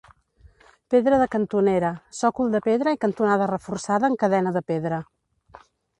Pedra de cantonera, sòcol de pedra i cantonada reforçada en cadena de pedra.